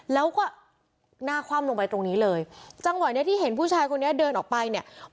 แล้วก็หน้าคว่ำลงไปตรงนี้เลยจังหวะเนี้ยที่เห็นผู้ชายคนนี้เดินออกไปเนี่ย